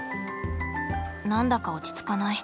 何だか落ち着かない。